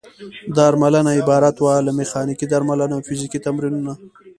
درملنه عبارت وه له: میخانیکي درملنه او فزیکي تمرینونه.